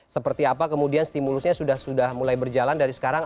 seperti apa kemudian stimulusnya sudah mulai berjalan dari sekarang